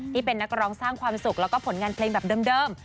ที่เป็นนักร้องสร้างความสุขแล้วก็ผลงานเพลงแบบเดิม